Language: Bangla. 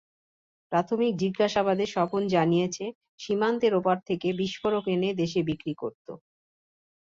প্রাথমিক জিজ্ঞাসাবাদে স্বপন জানিয়েছে, সীমান্তের ওপার থেকে বিস্ফোরক এনে দেশে বিক্রি করত।